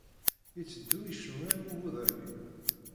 Iteddu icennu am ubudali.